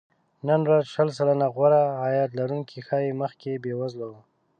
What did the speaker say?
نن ورځ شل سلنه غوره عاید لرونکي ښايي مخکې بې وزله وي